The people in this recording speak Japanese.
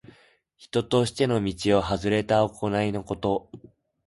人としての道をはずれた行いのこと。